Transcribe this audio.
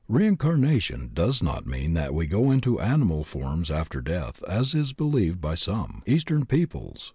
Reincarnation does not mean that we go into animal forms after death, as is believed by some Eastern peoples.